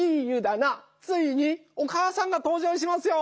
ついにお母さんがとうじょうしますよ！